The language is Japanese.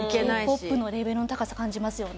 Ｋ−ＰＯＰのレベルの高さ感じますよね。